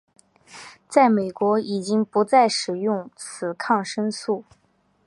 在美国已经不再使用此抗生素。